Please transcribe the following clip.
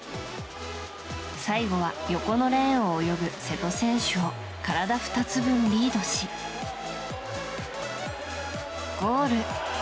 最後は横のレーンを泳ぐ瀬戸選手を体２つ分リードし、ゴール。